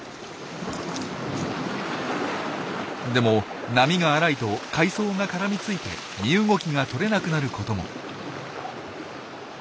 でも波が荒いと海藻が絡みついて身動きがとれなくなることも。